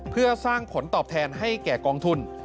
เพื่อสร้างผลตอบแทนให้แก่กองทุน